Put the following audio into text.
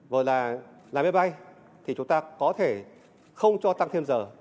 rồi là lái máy bay thì chúng ta có thể không cho tăng thêm giờ